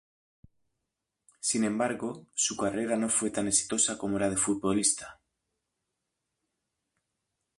Sin embargo, su carrera no fue tan exitosa como la de futbolista.